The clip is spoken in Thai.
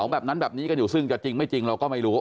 แบบนั้นแบบนี้กันอยู่ซึ่งจะจริงไม่จริงเราก็ไม่รู้